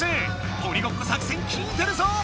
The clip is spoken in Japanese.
鬼ごっこ作戦きいてるぞ！